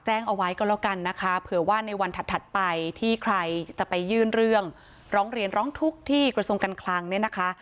แจ้งเอาไว้ก็แล้วกันนะคะเผื่อว่าในวันถัดไปที่ใครจะไปยื่นเรื่องร้องเรียนร้องทุกข์ที่กระทรวงการคลังเนี่ยนะคะ